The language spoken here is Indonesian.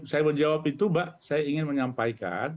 saya menjawab itu mbak saya ingin menyampaikan